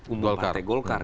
umum partai golkar